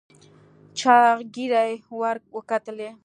چاغ زيږې ور وکتلې.